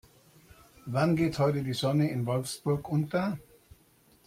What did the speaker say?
Wann geht heute die Sonne in Wolfsburg unter?